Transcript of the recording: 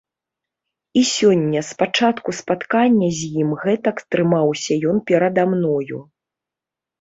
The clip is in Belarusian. І сёння з пачатку спаткання з ім гэтак трымаўся ён перада мною.